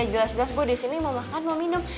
jelas jelas gue di sini mau makan mau minum